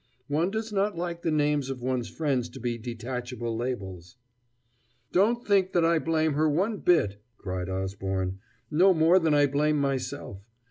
"One does not like the names of one's friends to be detachable labels." "Don't think that I blame her one bit!" cried Osborne "no more than I blame myself.